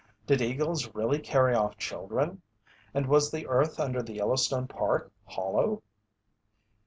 Did eagles really carry off children? And was the earth under the Yellowstone Park hollow?